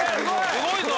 すごいぞ！